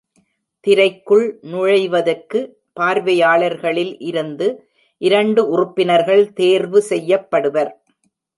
திரைக்குள் நுழைவதற்கு பார்வையாளர்களில் இருந்து இரண்டு உறுப்பினர்கள் தேர்வு செய்யப்படுவர்.